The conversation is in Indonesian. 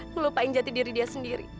melupain jati diri dia sendiri